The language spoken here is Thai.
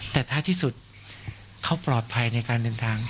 แต่ท้ายที่สุดเขาปลอดภัยในการเดินทาง